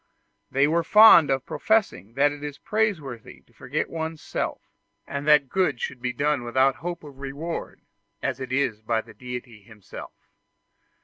They were fond of professing that it is praiseworthy to forget one's self, and that good should be done without hope of reward, as it is by the Deity himself.